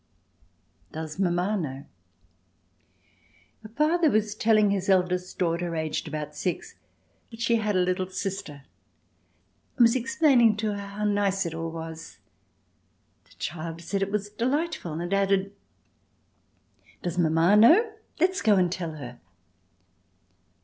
Does Mamma Know? A father was telling his eldest daughter, aged about six, that she had a little sister, and was explaining to her how nice it all was. The child said it was delightful and added: "Does Mamma know? Let's go and tell her."